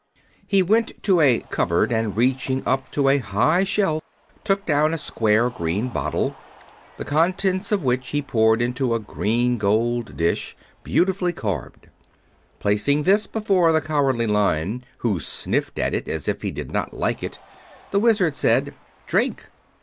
He went to a cupboard and reaching up to a high shelf took down a square green bottle, the contents of which he poured into a green gold dish, beautifully carved. Placing this before the Cowardly Lion, who sniffed at it as if he did not like it, the Wizard said: "Drink."